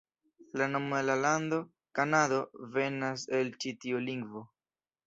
La nomo de la lando, Kanado, venas el ĉi tiu lingvo.